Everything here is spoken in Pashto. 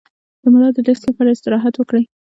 د ملا د ډیسک لپاره استراحت وکړئ